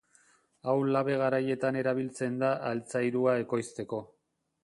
Hau labe garaietan erabiltzen da altzairua ekoizteko.